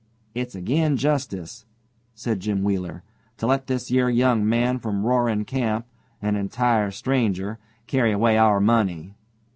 "It's agin justice," said Jim Wheeler, "to let this yer young man from Roaring Camp an entire stranger carry away our money."